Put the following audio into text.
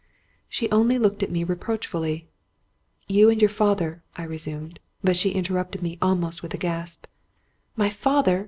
She only looked at me reproachfully. " You and your father —'* I resumed; but she interrupted me almost with a gasp. " My father!